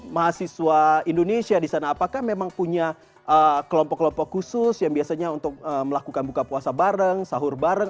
mahasiswa indonesia di sana apakah memang punya kelompok kelompok khusus yang biasanya untuk melakukan buka puasa bareng sahur bareng